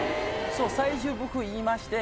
最初僕言いました。